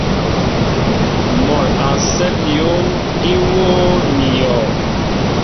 Mɔ a sέl yón í wōō ní yɔɔ.